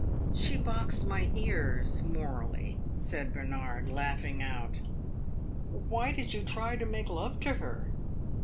"She boxed my ears morally," said Bernard, laughing out. "Why did you try to make love to her?"